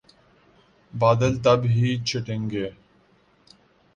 بادل تب ہی چھٹیں گے۔